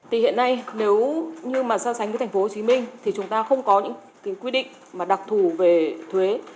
thì hiện nay nếu như mà so sánh với thành phố hồ chí minh thì chúng ta không có những cái quy định mà đặc thù về thuế